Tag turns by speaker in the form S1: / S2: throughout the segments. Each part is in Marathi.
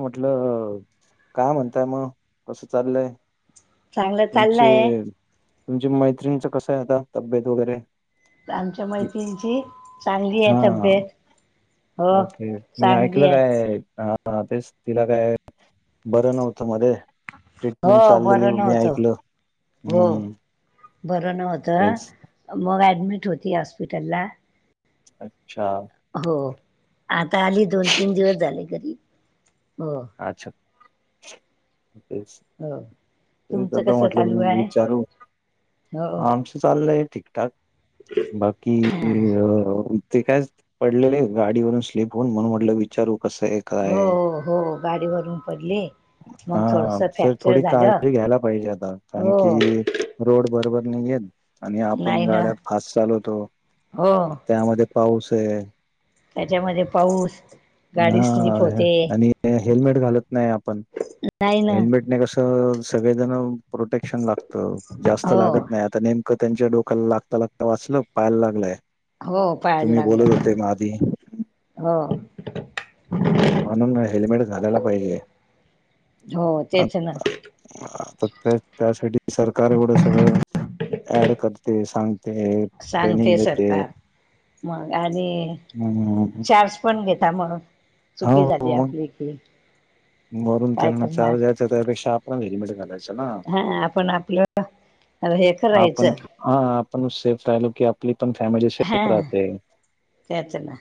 S1: म्हटलं काय म्हणताय मग कसं चाललंय.
S2: चांगलं
S1: तुमचे
S2: चाललंय
S1: तुमच्या मैतिणच कस आहे आता तब्येत वगैरे.
S2: आमच्या मैत्रीणीची चांगली आहे
S1: हा
S2: तब्येत. हो
S1: ओके मी
S2: चांगली
S1: ऐकलं
S2: आहे
S1: काय. ह तेच तिला काय बरं नव्हतं मध्ये ट्रीटमेंट
S2: हो
S1: चाललेली
S2: बरं
S1: मी
S2: नव्हतं
S1: ऐक
S2: हो बरं नव्हतं.
S1: तेच
S2: मग ॲडमिट होती हॉस्पिटलला.
S1: अच्छा
S2: हो आता आली दोन तीन दिवस झाले घरी हो.
S1: अच्छा तेच
S2: हो
S1: तेच
S2: तुमचं
S1: आता
S2: कसं
S1: म्हटलं
S2: चालू आहे
S1: विचारू
S2: हो
S1: आम चाललंय ठीकठाक बाकीे
S2: हां
S1: ते काय पडले गाडीवरून स्लीप होऊन म्हणून म्हटलं विचारू कसं आहे. काय
S2: हो
S1: आहे.
S2: हो हो गाडीवरून पडली. मग
S1: हा
S2: थोडंसं
S1: तर
S2: फ्रॅक्चर
S1: थोडी
S2: झालं
S1: काळजी घ्यायला पाहिजे आता कारण
S2: हो
S1: की रोड बरोबर नाही आहेत आणि आपण
S2: नाही ना
S1: गाड्या फास्ट चालवतो
S2: हो
S1: त्यामध्ये पाऊसय.
S2: त्याच्यामध्ये पाऊस गाडी
S1: हा
S2: स्लिप होते
S1: आणि ते हेल्मेट घालत नाही आपण.
S2: नाही ना
S1: हेल्मेटने कसं सगळेजण प्रोटेक्शन लागतं जास्त
S2: हो
S1: लागत नाही आ तर नेमकं त्यांच्या डोक्याला लागता लागता वाचल पायाला लागलंय.
S2: हो पाळायला
S1: तुम्ही बोलत
S2: लागलं
S1: होते मग आधी.
S2: हो
S1: म्हणून हेल्मेट घालायला पाहिजे
S2: हो तेच ना
S1: त्या त्यासाठी सरकार एवढं सगळं ऍड करते सांग
S2: सांगते सरकार मग आणि
S1: हम्म.
S2: चार पण घेता म्हणून
S1: हो,
S2: चुकी झाली
S1: हो.
S2: आपली की
S1: वरून
S2: काय
S1: त्यांना
S2: करणार
S1: चार्ज द्यायचा त्यापेक्षा आपण हेल्मेट घालायचं ना.
S2: हा आपण आपलं अर हे
S1: आपण
S2: करायचं.
S1: हा आपण सेफ राहिल की मी पण फॅमिली
S2: हा
S1: सेफ राहते.
S2: तेच ना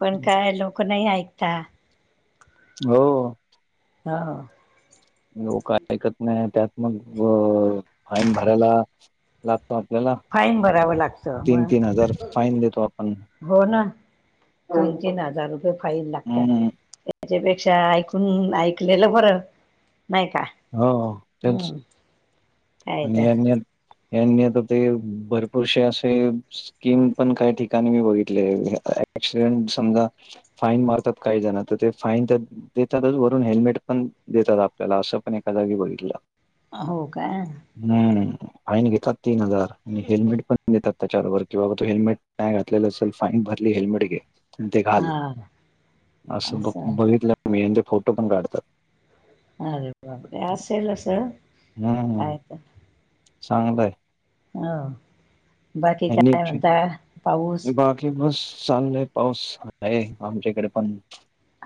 S2: पण काय लोक नाही ऐकता.
S1: हो
S2: हो
S1: लोक ऐकत नाही अन् त्यात मग फाईन भरायला लागतो आपल्याला
S2: फाईन भरावं लागतं
S1: तीन
S2: मग
S1: तीन हजार फाईन देतो आपण.
S2: हो ना तीन तीन हजार रुपये फाईन लागतात.
S1: हम्म.
S2: त्याच्यापेक्षा ऐकून ऐकलेलं बर नाही का.
S1: हो हो तेच.
S2: हम्म काय
S1: आणि
S2: तर
S1: [unintelligible] यांनी आता ते भरपूरसे असे स्कीम पण काही ठिकाणी मी बघितले ऑक्सिडेंट समजा फाईन मारतात काही जण तर ते फाईन त देतातच वरून हेल्मेट पण देतात आपल्याला असं पण एका जागी बघितलं.
S2: हो काय
S1: हम्म फाईन घेतात तीन हजार आणि हेल्मेट पण देतात त्याच्यारोबर कि बाबा तू हेल्मेट नाय घातलेला असल फाईन भरली हेल्मेट घे. ते घाल
S2: हा
S1: असं बघ बघितलं मी यांचे फोटो पण काढतात.
S2: अरे बापरे असेल अस
S1: हम्म, चांगलंय
S2: हो, बाकी
S1: यांनी
S2: काय म्हताय पाऊस
S1: बाकी बस चाललय पाऊस आहे आमच्याइकडे पण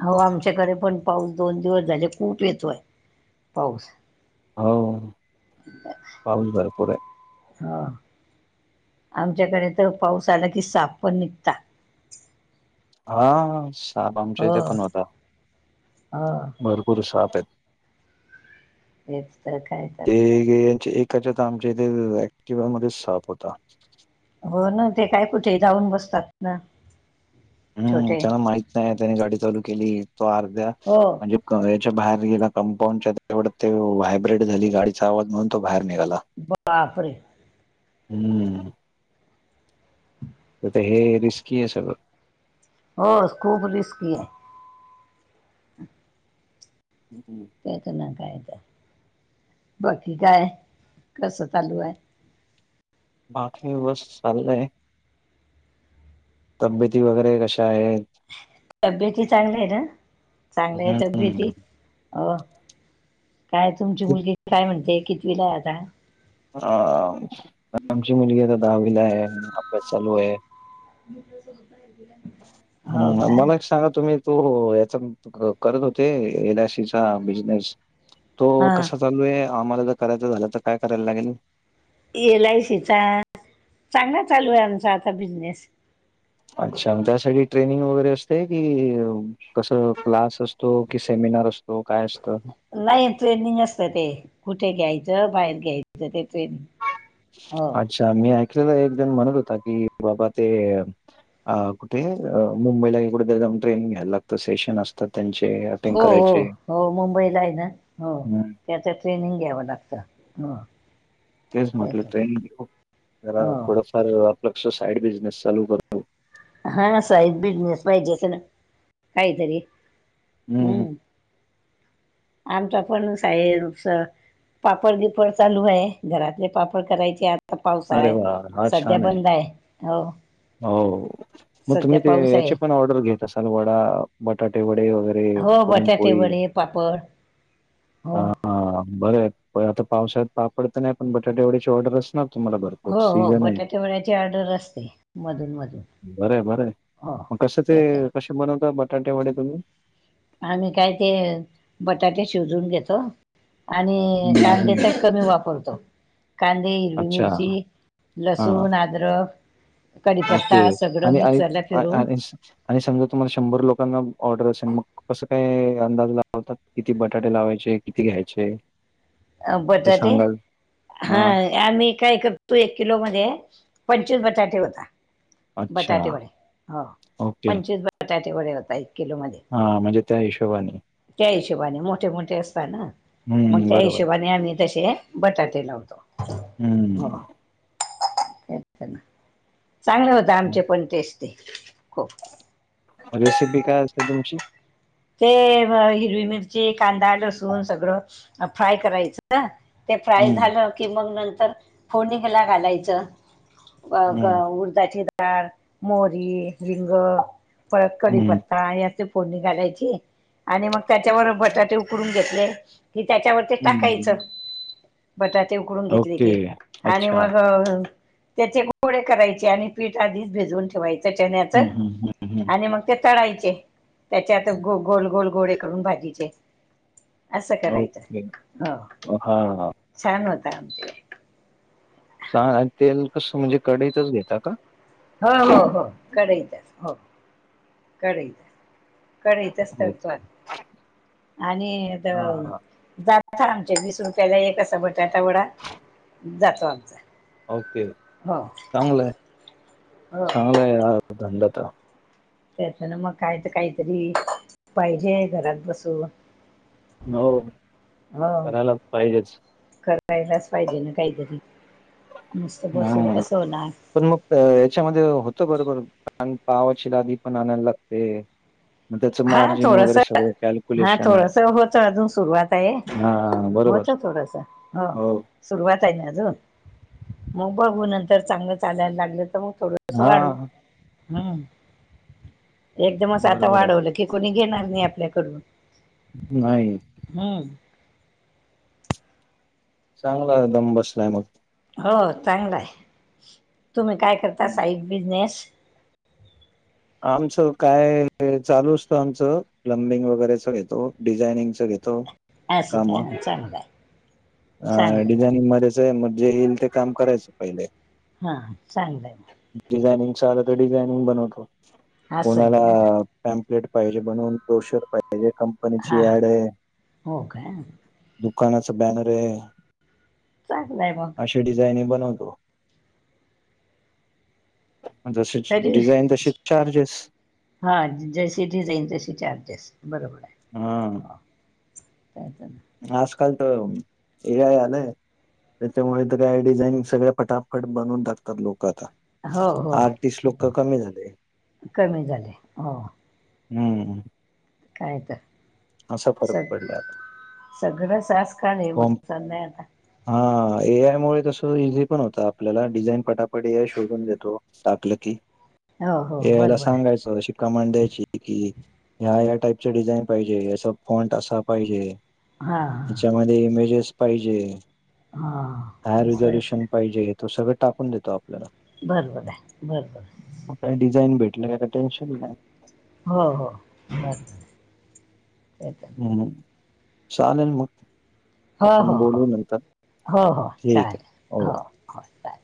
S2: हो आमच्याकडे पण पाऊस दोन दिवस झाले खूप येतोय पाऊस.
S1: होव, पाऊस भरपूरय
S2: हो आमच्याकडे तर पाऊस आला की साप पण निघता.
S1: हा, साप आमच्या
S2: हो
S1: इथे पण होता
S2: हो
S1: भरपूर साप आहेत.
S2: तेच तर काय तर
S1: ते चे एक त्याच्यात आमच्या इथे ऍक्टिवा मध्ये साप होता.
S2: हो ना ते काय कुठे जाऊन बसतात ना
S1: हम्म,
S2: छोटे
S1: त्याला माहित नाही त्यानी गाडी चालू केली तो अर्ध्या
S2: हो.
S1: म्हणजे याच्या बाहेर गेला कंपाऊंडच्या तेवढं ते व्हायब्रेट झाली गाडीचा आवाज म्हणून तो बाहेर निघाला.
S2: बापरे.
S1: हम्म. ते हे रिस्की आहे सगळं.
S2: हो खूप रिस्की आहे.
S1: [inaudible]
S2: त्याच ना काय तर बाकी काय कसं चालू आहे.
S1: बाकी व्यवस्थित चाललंय. तब्येती वगैरे कशा आहेत?
S2: तब्येती चांगल्या आहे ना चांगले आहे तब्येत
S1: हम्म.
S2: हो काय तुमची मुलगी काय म्हणते कितवीलाय आता.
S1: आ, आमची मुलगी आता दहावीला आहे अभ्यास चालू आहे.
S2: म [unintelligible]
S1: हम्, मला एक सांगा तुम्ही तो याचा करत होते एलआयसी सीचा बिजनेस तो
S2: हां
S1: कसा चालू आहे आम्हाला जर करायचं झालं तर काय करायला लागेल?
S2: एल आय सीचा चांगला चालू आहे आमचा आता बिझनेस.
S1: अच्छा! त्यासाठी ट्रेनिंग वगैरे असते की कसं क्लास असतो कि सेमिनार असतो. तो काय असतं.
S2: नाही ट्रेनिंग असत ते कुठे घ्यायचं बाहेर घ्यायचं ते ट्रेनि
S1: अच्छा! मी ऐकलेला एक जण म्हणत होता की बाबा ते अ कुठे अ मुंबईला कुठेतरी जाऊन ट्रेनिंग घ्यायला लागतं सेशन असतात त्यांचे. अटेंड
S2: हो, हो,
S1: करायचे.
S2: हो, मुंबईला आहे ना हो
S1: हं,
S2: त्याचं ट्रेनिंग घ्यावं लागतं.
S1: तेच म्हटलं
S2: त्याचं
S1: ट्रेनिंग जरा
S2: हो
S1: थोडफार कसं साइड बिजनेस चालू करतो.
S2: हा साईड बिझनेस पाहिजे की नाय काहीतरी.
S1: हं, हं.
S2: हम्म, आमचा पण सा, पापड बीपड चालू आहे घरातले पापड करायचे आ आता पावसाळा
S1: अरे
S2: य
S1: वाह! हा
S2: सध्या
S1: छान
S2: बंद आहे. हो-
S1: हो मग तुम्ही
S2: सध्या
S1: ते
S2: पाऊस आहे.
S1: याची पण ऑर्डर घेत असाल वडा बटाटे वडे वगैरे ते
S2: हो बटाटे
S1: पुरणपोळी
S2: वडे पापड
S1: ह
S2: हो
S1: हा बरं, पण आता पावसाळ्यात पापड तर नाही पण बटाट्या एवढ्याची ऑर्डरच ना. तुम्हाला भरपूर
S2: हो हो
S1: सीजन आहे,
S2: बटाटे वड्याची ऑर्डर असते मधून मधून
S1: बर, बरं
S2: हो
S1: मग कस ते
S2: त्याच
S1: कसे बनवता बटाटे वाडे तुम्ही?
S2: आम्ही काय ते बटाटे शिजून घेतो. आणि
S1: हं,
S2: कांदे
S1: हं.
S2: त्यात कमी वापरतो. कांदे, हिरवी
S1: अच्छा.
S2: मिरची,
S1: हां,
S2: लसूण, अदरक
S1: ओके आणि
S2: फिरून
S1: आणि समजा तुम्हाला शंभर लोकांना ऑर्डर असेल मग. कसं काय अंदाज लावतात किती बटाटे लावायचे किती घ्यायचे ते
S2: बटाटे
S1: सांगाल?
S2: हा.
S1: हां,
S2: आम्ही काय करतो एक किलो मध्ये पंचवीस बटाटे होता.
S1: अच्छा.
S2: बटाटे वडे हो
S1: ओके.
S2: पंचवीस बटाटे वडे होता एक किलो मध्ये
S1: हा म्हणजे त्या हिशोबानी
S2: त्या हिशोबाने मोठे मोठे असत ना मग
S1: हं,
S2: त्या
S1: बरोबर.
S2: हिशोबाने आमही तसे बटाटे लावतो.
S1: हम्म.
S2: चांगले होत आमचे पण तेच ते खूप
S1: रेसिपी काय असते तुमची?
S2: ते हिरवी मिरची कांदा लसून सगळं फ्राय करायचं. ते फ्राय
S1: हं,
S2: झालं की मग नंतर फोनिकला घालायचं.
S1: हं,
S2: अ उरधाची डाळ मोरी लिंग परत
S1: हं,
S2: कडीपत्ता का यात फोडणी घालायची आणि मग त्याच्यावर बटाटे उकडून घेतले. कि त्याच्यावरती टाकायचं.
S1: हं.
S2: बटाटे उकडून घेतले
S1: ओके.
S2: की आणि
S1: अच्छा.
S2: मग त्याचे गोडे करायचे आणि पीठ आधीच भिजून ठेवायचं चण्याच
S1: हं, हं, हं, हं.
S2: आणि मग ते तळायचे त्याच्या आत ग गोल गोल गोडे करून भाजीचे असं करायचं
S1: ओके.
S2: हो
S1: हां.
S2: छान होत आमच्या
S1: सां आणि तेल कस म्हणजे कढतच घेता का?
S2: हो हो काढायचा हा कढईतच. कढईतच
S1: हो.
S2: तळतो आता आणि
S1: हां, हां.
S2: आता आमच्या वीस रुपयाला एक असा बटाटा वडा जातो आमचा
S1: ओके
S2: हो
S1: चांगलंय
S2: हो
S1: चांगलाय धंदात.
S2: त्यात ना मग काय तर काहीतरी पाहिजे आहे घरात बसून.
S1: हो
S2: हो
S1: करायला पाहिजेच.
S2: करायलाच पाहिजे ना काहीतरी मुस्त बसून
S1: हं.
S2: कसं होणार.
S1: पण मग याच्यामध्ये होत बरोबर पावाची लादीी पण आणायला लागते. मग त्याचं
S2: हा
S1: मार्जिन
S2: थोडस
S1: वगैरे सगळं
S2: हा
S1: कॅल्क्युलेशन.
S2: थोडस होत अजून सुरुवात आहे.
S1: हां, बरोबर.
S2: होतं थोडंसं हो. सुरुवात आहे ना अजून मग बघू नंतर चांगलं चालायला लागलं तर मग थोड. स
S1: हा
S2: वाढ हम् एकदमच आता
S1: बरोबर आहे
S2: वाढवलं. कोणी घेणार नाही आपल्याकडून
S1: नाही.
S2: हा.
S1: चांगला दम बसलाय मग
S2: हो चांगला आहे तुम्ही काय करता
S1: हं.
S2: साईड बिजनेस
S1: आमचं काय चालू असत आमचं. प्लंबिंग वगैरेच येतो डिझायनिंगच घेतो.
S2: असं काही नाही मग चांगलं आहे.
S1: अ
S2: चांगलं आहे.
S1: डिझायनिंग मध्येच आहे मग जे येईल ते काम करायचं पहिले.
S2: हा चांगलं आहे म
S1: डिझायनिंग च आलं तर डिझायनिंग बनवतो
S2: असं आहे
S1: कोणाला?
S2: का?
S1: टॅम्पलेट पाहिजे बनून प्र्रोशर पाहिजे कंपनीची
S2: हा
S1: ऍड आहे.
S2: हो का?
S1: दुकानाच बॅनर आहे.
S2: चांगलंय बघ.
S1: अशी डिझाईन बनवतो. तसेच
S2: तरी
S1: डिझाईन तसेच चार्जेस
S2: हा जशी त जाईन तशी चार्जेस बरोबर आहे
S1: हा
S2: हो. काच ना.
S1: आजकाल तो एआय आले. त्याच्यामुळे तर काय डिझाईनिंग सगळं फटाफट बनवून टाकतात लोक आता.
S2: हो हो
S1: आर्टिस्ट लोक
S2: हो
S1: कमी झाले.
S2: कमी झाले हो
S1: हम्म
S2: काय तर
S1: असा फरक पडला आता
S2: सगळं सास काल ब
S1: कॉम
S2: नाही आता
S1: हा एआय मुळे तसं इझी पण होत आपल्याला डिझाईन पटापट एआय शोधून देतो. टाकलं की
S2: हो हो
S1: एआया याला
S2: बरोबर आहे.
S1: सांगायचं शिक कमांड द्यायची की ह्या ह्या टाईपच डिझाईन पाहिजे याचा फॉंट असा पाहिजे.
S2: हा
S1: त्याच्यामध्ये इमेजेस पाहिजे
S2: हा
S1: हायर रिझोल्युशन पाहिजे तो सगळं टाकून देतो आपल्याला
S2: बरं बरं आहे बरं बरं
S1: काय डिझाईन भेटलं का टेन्शन नाही.
S2: हो हो चालतंय
S1: हम्म चालेल मग
S2: हो हो
S1: आपण
S2: हो
S1: बोलू नंतर.
S2: हो हो
S1: ठीक आहे
S2: चालेल
S1: ओके
S2: हो हो चालेल.